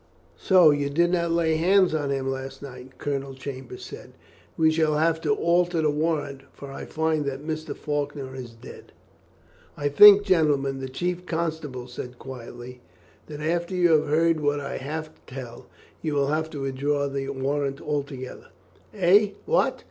"So you did not lay hands on him last night," Colonel Chambers said. "We shall have to alter the warrant, for I find that Mr. Faulkner is dead." "I think, gentlemen," the chief constable said quietly, "that after you have heard what I have to tell, you will have to withdraw the warrant altogether." "Eh! what?